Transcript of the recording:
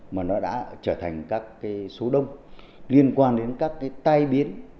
mà nó đã trở thành các cái số đông liên quan đến các cái tai biến